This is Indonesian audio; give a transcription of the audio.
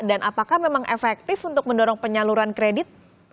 dan apakah memang efektif untuk mendorong penyaluran kredit